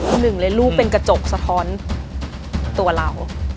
หนึ่งเลยลูกเป็นกระจกสะท้อนตัวเรา